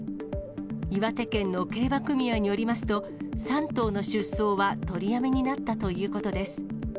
岩手県の競馬組合によりますと、３頭の出走は取りやめになったということです。